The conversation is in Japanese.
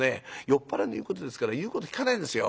酔っ払いの言うことですから言うこと聞かないんですよ。